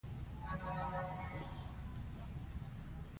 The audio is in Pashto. د قانون مراعات د ادارې اعتبار ساتي.